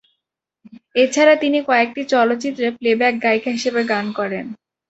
এছাড়া তিনি কয়েকটি চলচ্চিত্রে প্লেব্যাক গায়িকা হিসেবে গান করেন।